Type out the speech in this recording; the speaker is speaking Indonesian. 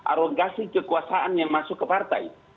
arogasi kekuasaan yang masuk ke partai